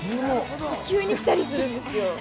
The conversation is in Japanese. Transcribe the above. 急に来たりするんですよ。